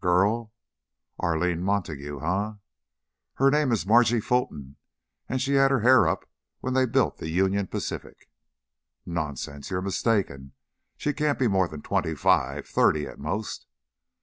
"Girl? 'Arline Montague,' eh? Her name is Margie Fulton and she had her hair up when they built the Union Pacific." "Nonsense! You're mistaken. She can't be more than twenty five thirty at most."